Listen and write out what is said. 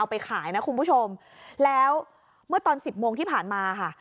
ไปขายนะคุณผู้ชมแล้วเมื่อตอนสิบโมงที่ผ่านมาค่ะ